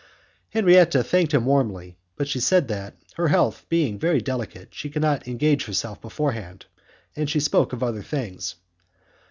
Henriette thanked him warmly, but she said that, her health being very delicate, she could not engage herself beforehand, and she spoke of other things.